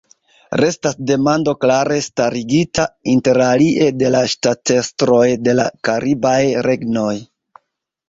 Restas demando klare starigita, interalie, de la ŝtatestroj de la karibaj regnoj.